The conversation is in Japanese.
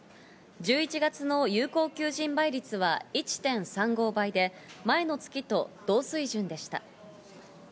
１１月の有効求人倍率は１．３５倍で前の月と同水準でした。